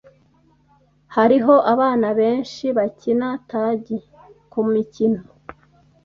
Hariho abana benshi bakina tagi kumikino.